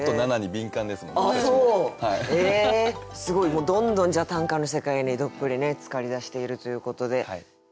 もうどんどんじゃあ短歌の世界にどっぷりねつかりだしているということで。